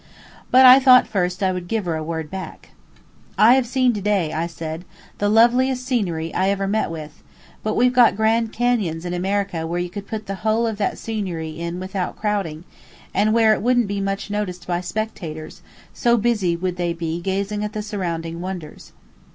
But I thought first I would give her a word back: "I have seen to day," I said, "the loveliest scenery I ever met with; but we've got grand cañons in America where you could put the whole of that scenery without crowding, and where it wouldn't be much noticed by spectators, so busy would they be gazing at the surrounding wonders."